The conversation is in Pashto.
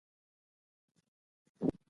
خیانت مه کوئ.